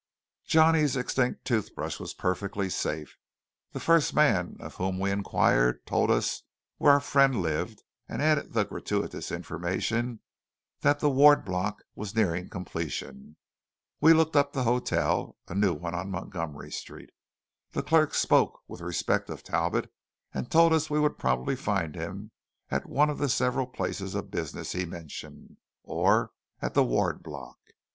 Johnny's extinct toothbrush was perfectly safe. The first man of whom we inquired told us where our friend lived, and added the gratuitous information that the Ward Block was nearing completion. We looked up the hotel, a new one on Montgomery Street. The clerk spoke with respect of Talbot, and told us we would probably find him at one of the several places of business he mentioned, or at the Ward Block.